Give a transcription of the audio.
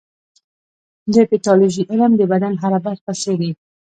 د پیتالوژي علم د بدن هره برخه څېړي.